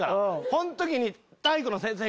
そん時に。